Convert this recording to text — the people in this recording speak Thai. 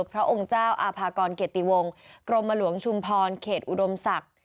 พระองค์เจ้าอาภากรเกติวงกรมหลวงชุมพรเขตอุดมศักดิ์